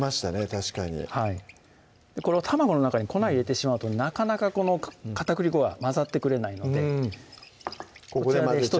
確かにはいこれを卵の中に粉入れてしまうとなかなかこの片栗粉は混ざってくれないのでここで混ぜちゃう